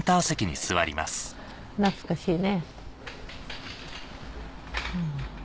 懐かしいね。